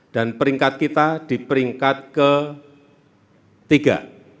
dan peringkat kita di peringkat ketiga